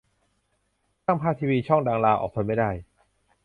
ช่างภาพทีวีช่องดัง ลาออก ทนไม่ได้